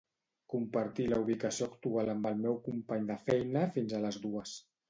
Compartir la ubicació actual amb el meu company de feina fins a les dues.